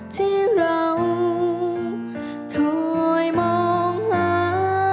ที่เราคอยมองหา